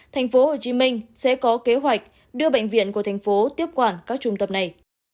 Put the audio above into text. tp hcm sẽ có kế hoạch đưa bệnh viện của tp hcm tiếp quản các trung tâm này